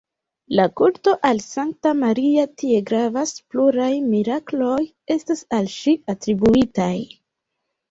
La kulto al sankta Maria tie gravas, pluraj mirakloj estas al ŝi atribuitaj.